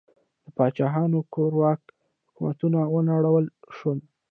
د پاچاهانو کورواک حکومتونه ونړول شول.